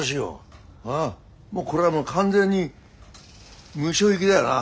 ああもうこれはもう完全にムショ行きだよな。